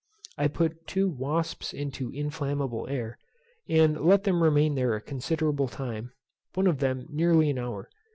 I put two wasps into inflammable air, and let them remain there a considerable time, one of them near an hour.